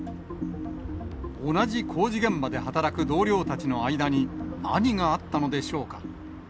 同じ工事現場で働く同僚たちの間に何があったのでしょうか。